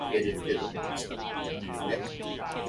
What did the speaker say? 無錢假大方